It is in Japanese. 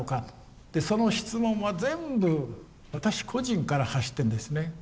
でその質問は全部私個人から発してんですね。